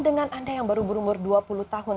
dengan anda yang baru berumur dua puluh tahun